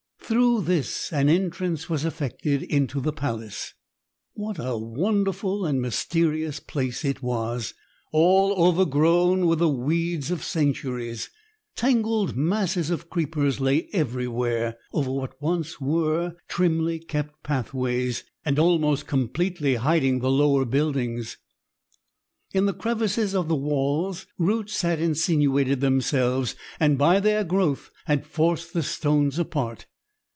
Through this an entrance was effected into the palace. What a wonderful and mysterious place it was, all overgrown with the weeds of centuries! Tangled masses of creepers lay everywhere over what were once trimly kept pathways, and almost completely hiding the lower buildings. In the crevices of the walls, roots had insinuated themselves, and by their growth had forced the stones apart.